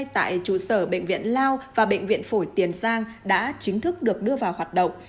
tại trụ sở bệnh viện lao và bệnh viện phổi tiền giang đã chính thức được đưa vào hoạt động